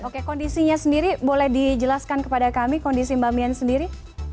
oke kondisinya sendiri boleh dijelaskan kepada kami kondisi mbak mian sendiri